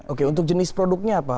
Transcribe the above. oke untuk jenis produknya apa